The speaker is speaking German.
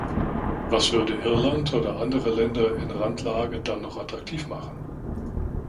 Was würde Irland oder andere Länder in Randlage dann noch attraktiv machen?